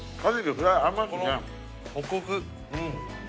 この。